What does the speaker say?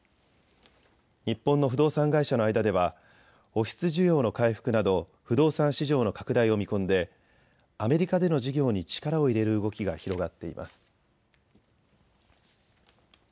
日本の不動産会社の間ではオフィス需要の回復など不動産市場の拡大を見込んでアメリカでの事業に力を入れる動きが広がっています。